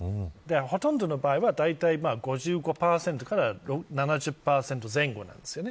ほとんどの場合はだいたい５５％から７０％前後なんですよね。